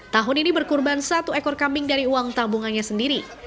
tahun ini berkurban satu ekor kambing dari uang tabungannya sendiri